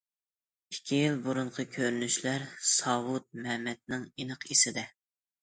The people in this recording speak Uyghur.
ئىككى يىل بۇرۇنقى كۆرۈنۈشلەر ساۋۇت مەمەتنىڭ ئېنىق ئېسىدە.